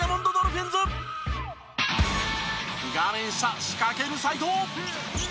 画面下仕掛ける齋藤。